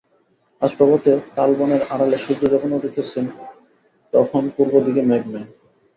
আজ প্রভাতে তালবনের আড়ালে সূর্য যখন উঠিতেছেন, তখন পূর্ব দিকে মেঘ নাই।